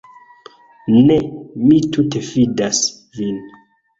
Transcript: Ne, mi tute fidas vin.